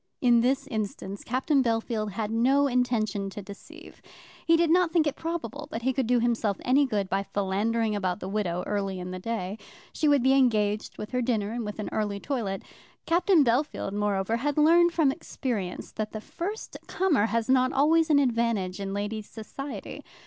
In this instance Captain Bellfield had no intention to deceive. He did not think it probable that he could do himself any good by philandering about the widow early in the day. She would be engaged with her dinner and with an early toilet. Captain Bellfield, moreover, had learned from experience that the first comer has not always an advantage in ladies' society.